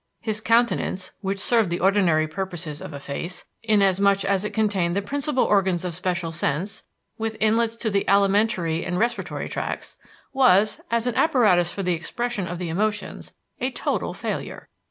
His countenance (which served the ordinary purposes of a face, inasmuch as it contained the principal organs of special sense, with inlets to the alimentary and respiratory tracts) was, as an apparatus for the expression of the emotions, a total failure.